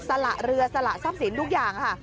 สละเรือสละทรัพย์สินทุกอย่างค่ะ